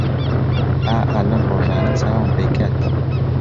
ئا ئا لەم ڕۆژانە چاوم پێی کەت